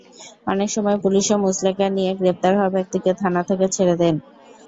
অনেক সময় পুলিশও মুচলেকা নিয়ে গ্রেপ্তার হওয়া ব্যক্তিকে থানা থেকে ছেড়ে দেয়।